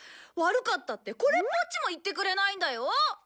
悪かったってこれっぽっちも言ってくれないんだよ！